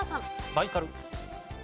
バイカル。